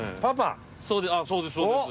そうですそうです。